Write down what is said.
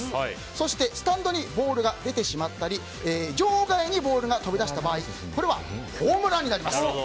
そして、スタンドにボールが出てしまったり場外にボールが飛び出した場合これはホームランになります。